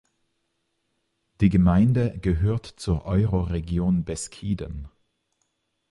Die Gemeinde gehört zur Euroregion Beskiden.